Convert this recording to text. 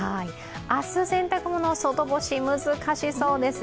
明日、洗濯物外干しは難しそうです。